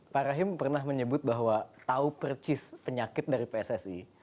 pak rahim pernah menyebut bahwa tahu percis penyakit dari pssi